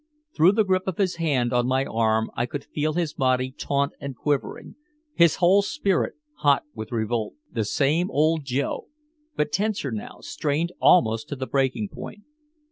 Through the grip of his hand on my arm I could feel his body taut and quivering, his whole spirit hot with revolt. The same old Joe, but tenser now, strained almost to the breaking point.